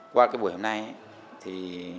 qua cái buổi hôm nay thì